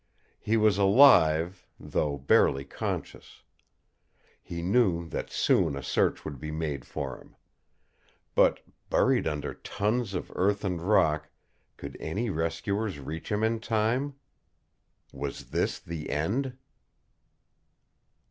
He was alive, though barely conscious. He knew that soon a search would be made for him. But, buried under tons of earth and rock, could any rescuers reach him in time? Was this the end?